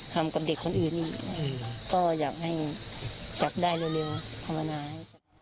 ทำกับเด็กคนอื่นก็อยากให้จับได้เร็วภาวนาให้